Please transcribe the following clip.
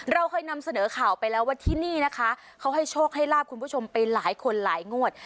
เราเคยนำเสนอข่าวไปแล้วว่าที่นี่นะคะเขาให้โชคให้ลาบคุณผู้ชมไปหลายคนหลายงวด